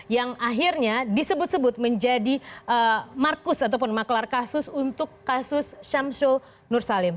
yang akhirnya disebut sebut menjadi markus ataupun maklar kasus untuk kasus syamsul nur salim